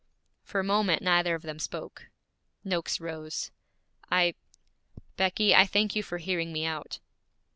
For a moment neither of them spoke. Noakes rose. 'I Becky, I thank you for hearing me out.'